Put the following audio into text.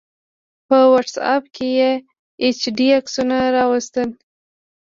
په واټس آپ کې یې ایچ ډي عکسونه راواستول